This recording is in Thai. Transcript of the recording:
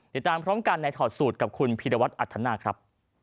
ติดตามพร้อมกันในถอดสูตรกับคุณพีรวัตรอัธนาคครับ